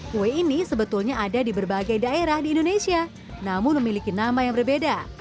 kue ini sebetulnya ada di berbagai daerah di indonesia namun memiliki nama yang berbeda